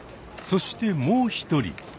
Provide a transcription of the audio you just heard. そしてもう一人。